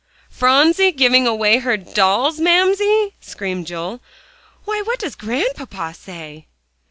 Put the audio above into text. "PHRONSIE GIVING AWAY HER DOLLS, MAMSIE?" screamed Joel. "Why, what does Grandpapa say?"